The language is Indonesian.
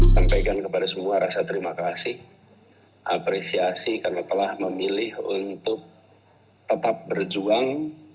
sampaikan kepada semua rasa terima kasih apresiasi karena telah memilih untuk tetap berjuang